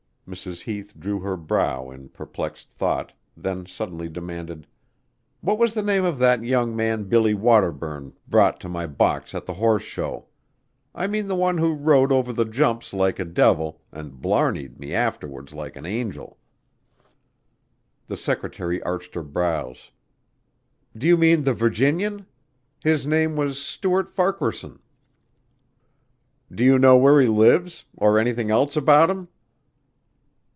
Mrs. Heath drew her brow in perplexed thought, then suddenly demanded: "What was the name of that young man Billy Waterburn brought to my box at the horse show? I mean the one who rode over the jumps like a devil and blarneyed me afterward like an angel." The secretary arched her brows. "Do you mean the Virginian? His name was Stuart Farquaharson." "Do you know where he lives or anything else about him?"